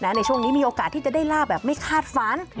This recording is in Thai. ในช่วงนี้มีโอกาสที่จะได้ลาบแบบไม่คาดฝัน